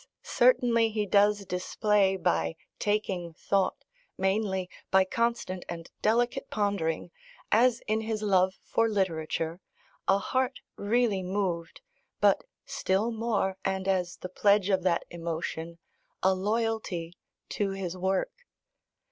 certainly he does display, by "taking thought" mainly, by constant and delicate pondering, as in his love for literature, a heart really moved, but still more, and as the pledge of that emotion, a loyalty to his work.